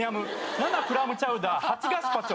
「７クラムチャウダー８ガスパチョ」